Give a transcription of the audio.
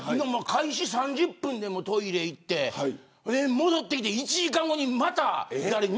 開始３０分でトイレ行って戻ってきて１時間後にまた行って。